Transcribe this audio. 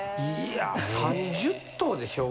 いや３０頭でしょ？